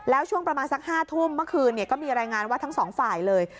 แล้วช่วงประมาณสัก๕ทุ่มเมื่อคืนก็มีรายงานว่าทั้งสองฝ่ายเลย